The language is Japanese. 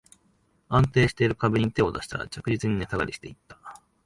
安定してる株に手を出したら、着実に値下がりしていった